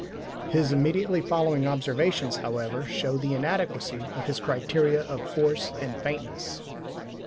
His immediately following observations, however, show the inadequacy of his criteria of "force" and "faintness."